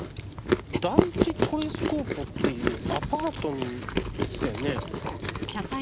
第１トレスコーポっていうアパートに行ってたよね？